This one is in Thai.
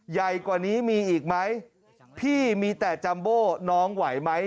ใหญ่กว่านี้มีอีกไหมพี่มีแต่จัมโบน้องไหวไหม